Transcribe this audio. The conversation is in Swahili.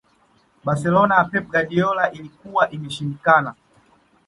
barcelona ya pep guardiola ilikuwa imeshindikana